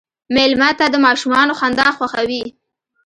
مېلمه ته د ماشومانو خندا خوښوي.